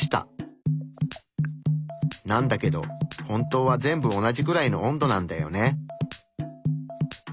なんだけど本当は全部同じくらいの温度なんだよね。